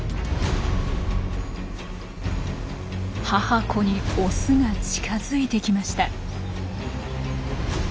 母子にオスが近づいてきました。